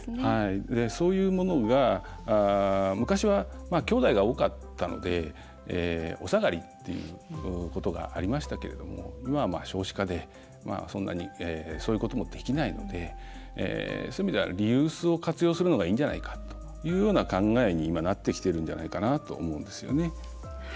そういうものが昔は、きょうだいが多かったのでお下がりっていうことがありましたけれども今は少子化で、そんなにそういうこともできないのでそういう意味ではリユースを活用するのがいいんじゃないかというような考えに今、なってきているんじゃないかというふうに思うんですね。